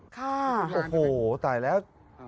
ค่ะโอ้โหตายแล้ว